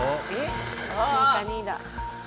１位か２位だ。